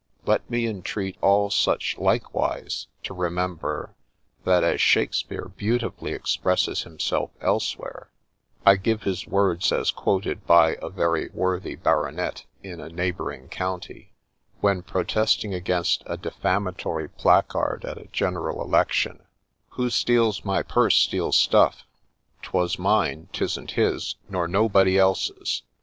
— let me entreat all such likewise to remember, that as Shakespeare beautifully expresses himself elsewhere — I give his words as quoted by a very worthy Baronet in a neighbouring county, when protesting against a defamatory placard at a general election —' Who steals my purse steals stuff !— 'Twos mine — "tisn't his — nor nobody else's